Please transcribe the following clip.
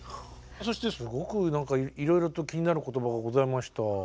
そしてすごくいろいろと気になる言葉がございました。